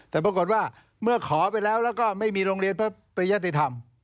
แต่ปรากฏว่าเมื่อขอไปแล้วแล้วก็ไม่มีโรงเรียนพระปริยติธรรม